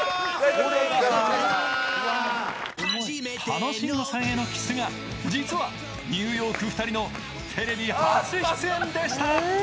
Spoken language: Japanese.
楽しんごさんへのキスが実はニューヨークの２人のテレビ初出演でした。